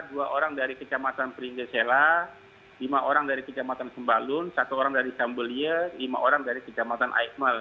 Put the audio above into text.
dua orang dari kecamatan pringgesela lima orang dari kecamatan sembalun satu orang dari sambelie lima orang dari kecamatan aikmal